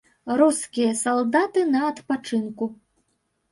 Рускія салдаты на адпачынку.